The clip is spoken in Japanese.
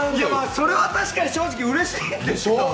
それは確かに正直うれしいんですけど！